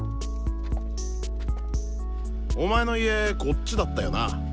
お前の家こっちだったよな？